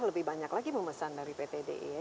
lebih banyak lagi memesan dari pt di ya